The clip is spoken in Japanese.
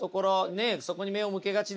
そこに目を向けがちですよね。